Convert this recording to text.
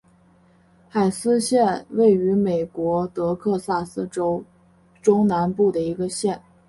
海斯县位美国德克萨斯州中南部的一个县。